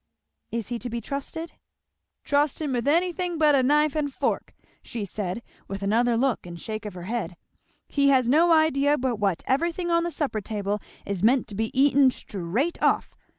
"Is he to be trusted?" "Trust him with anything but a knife and fork," said she, with another look and shake of the head. "He has no idea but what everything on the supper table is meant to be eaten straight off.